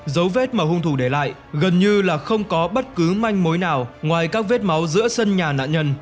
dấu vết mà hung thủ để lại gần như là không có bất cứ manh mối nào ngoài các vết máu giữa sân nhà nạn nhân